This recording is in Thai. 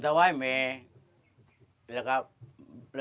แถวมันครับ